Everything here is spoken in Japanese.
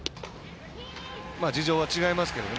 事情は違いますけどね。